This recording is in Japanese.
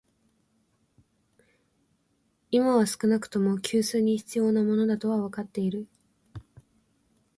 今は少なくとも、給水に必要なものだとはわかっている